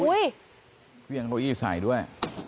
อุ๊ยเพลงโก๊ยที่ใส่ด้วย